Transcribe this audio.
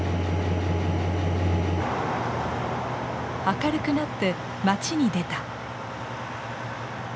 明るくなって町に出た。